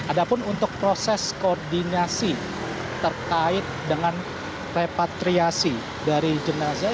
ada pun untuk proses koordinasi terkait dengan repatriasi dari jenazah